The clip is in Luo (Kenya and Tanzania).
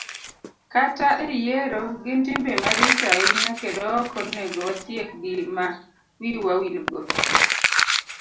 kata e yiero, gin timbe maricho ahinya kendo ok onego watiekgi ma wiwa wilgo.